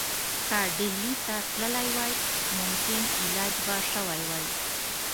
که ډهلي ته تللی وای ممکن علاج به شوی وای.